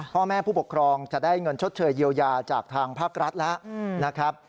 พ่อแม่ผู้ปกครองจะได้เงินชดเชยเยียวยาจากทางภาครัฐแล้วนะครับ